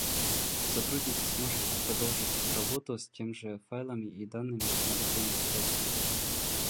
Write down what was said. Сотрудник сможет продолжить работу с теми же файлами и данными на другом устройстве